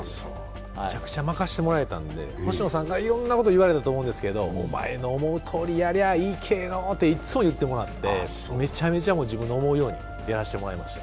めちゃくちゃ任せてもらえたんで、星野さんからいろいろ言われたと思うんですけどお前の思うとおりやりゃあいいけぇのと言われてめちゃめちゃ自分の思うようにやりました。